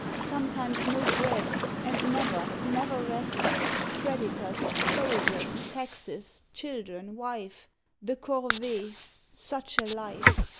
Sometimes no bread, and never, never rest. Creditors, soldiers, taxes, children, wife, The corvée. Such a life!